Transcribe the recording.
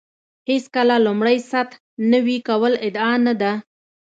هېڅکله لومړۍ سطح نوي کول ادعا نه ده.